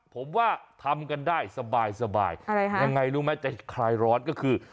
ผมว่าทำกันได้สบายยังไงรู้ไหมจะคลายร้อนก็คือ